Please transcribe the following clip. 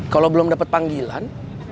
kalau belum dapet panggilan